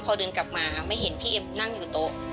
พอเดินกลับมาไม่เห็นพี่เอ็มนั่งอยู่โต๊ะ